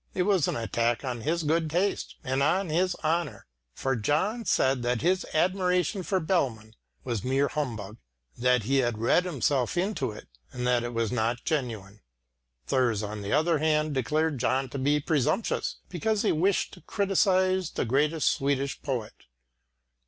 It was an attack on his good taste and on his honour, for John said that his admiration of Bellmann was mere humbug; that he had read himself into it, and that it was not genuine. Thurs on the other hand declared John to be presumptuous, because he wished to criticise the greatest Swedish poet.